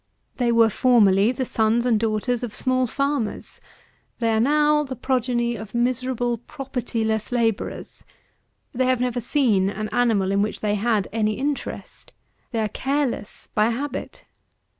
They were formerly the sons and daughters of small farmers; they are now the progeny of miserable property less labourers. They have never seen an animal in which they had any interest. They are careless by habit.